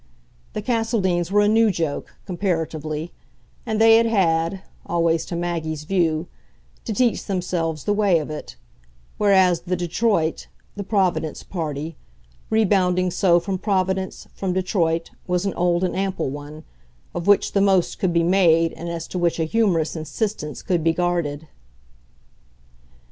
The Castledeans were a new joke, comparatively, and they had had always to Maggie's view to teach themselves the way of it; whereas the Detroit, the Providence party, rebounding so from Providence, from Detroit, was an old and ample one, of which the most could be made and as to which a humorous insistence could be guarded.